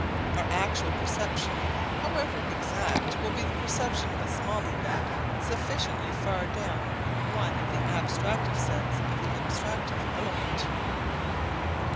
Our actual perception, however exact, will be the perception of a small event sufficiently far down one of the abstractive sets of the abstractive element.